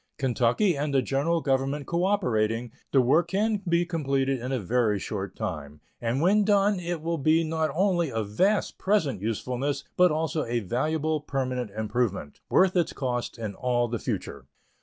Kentucky and the General Government cooperating, the work can be completed in a very short time, and when done it will be not only of vast present usefulness, but also a valuable permanent improvement, worth its cost in all the future.